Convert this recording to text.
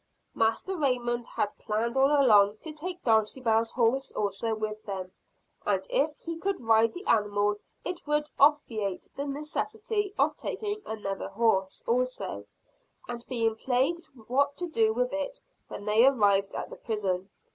Master Raymond had planned all along to take Dulcibel's horse also with them; and if he could ride the animal, it would obviate the necessity of taking another horse also, and being plagued what to do with it when they arrived at the prison.